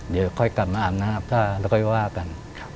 เดี๋ยวค่อยกลับมาอาบน้ำแล้วค่อยว่ากัน